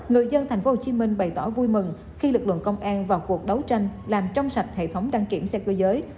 người dân tp hcm bày tỏ vui mừng khi lực lượng công an vào cuộc đấu tranh làm trong sạch hệ thống đăng kiểm xe cơ giới